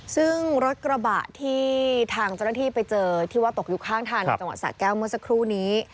ซึ่งรถกระบะที่ทางเจ้าหน้าที่ไปเจอที่ว่าตกอยู่ข้างทางในจังหวัดสะแก้วเมื่อสักครู่นี้